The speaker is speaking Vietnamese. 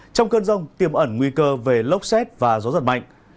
trong cơn rông tiêm ẩn nguy cơ về lốc xét và gió giật mạnh